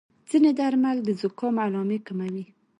ځینې درمل د زکام علامې کموي.